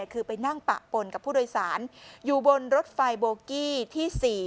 คือไปนั่งปะปนกับผู้โดยสารอยู่บนรถไฟโบกี้ที่๔